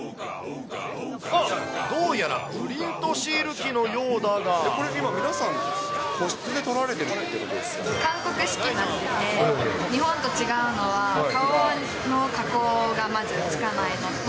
あっ、どうやらプリントシール機のようだが。これって今、皆さん、個室で韓国式なので、日本と違うのは顔の加工がまずつかないのと。